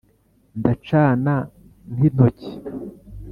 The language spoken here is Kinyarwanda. ndacana nk' intoki